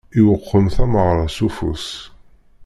Iwqem tameɣṛa s ufus.